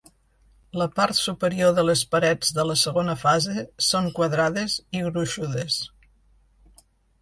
La part superior de les parets de la segona fase són quadrades i gruixudes.